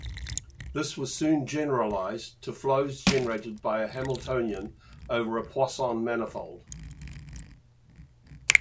This was soon generalized to flows generated by a Hamiltonian over a Poisson manifold.